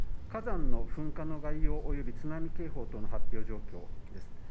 火山の噴火の概要および津波警報等の発表状況です。